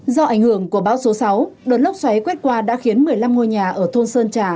do ảnh hưởng của bão số sáu đợt lốc xoáy quét qua đã khiến một mươi năm ngôi nhà ở thôn sơn trà